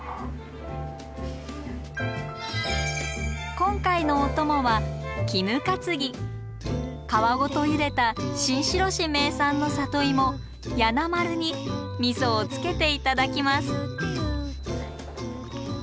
今回のお供は皮ごとゆでた新城市名産の里芋「八名丸」に味噌をつけて頂きます。